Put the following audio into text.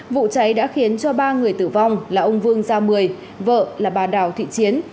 vụ cháy đã khiến cho ba người tử vong là ông vương gia mười vợ là bà đào thị chiến